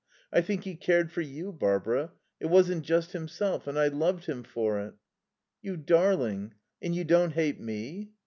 I think he cared for you, Barbara. It wasn't just himself. And I loved him for it." "You darling! And you don't hate me?"